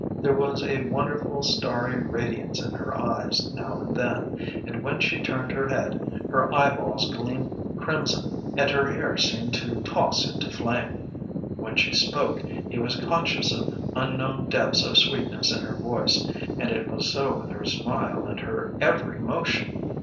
There was a wonderful starry radiance in her eyes now and then, and when she turned her head her eyeballs gleamed crimson and her hair seemed to toss into flame. When she spoke, he was conscious of unknown depths of sweetness in her voice, and it was so with her smile and her every motion.